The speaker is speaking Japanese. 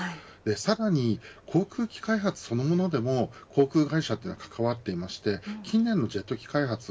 さらに航空機開発そのものでも航空会社は関わっていまして近年のジェット機開発